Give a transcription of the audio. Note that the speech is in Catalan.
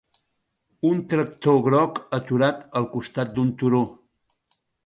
Un tractor groc aturat al costat d'un turó.